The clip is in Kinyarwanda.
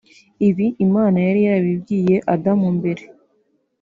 Ibi Imana yari yarabibwiye Adamu mbere